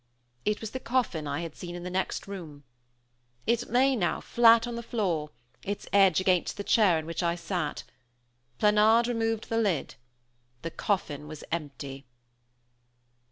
It was the coffin I had seen in the next room. It lay now flat on the floor, its edge against the chair in which I sat. Planard removed the lid. The coffin was empty.